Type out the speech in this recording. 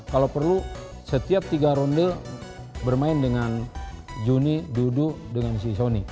kalau perlu setiap tiga ronde bermain dengan juni duduk dengan si sony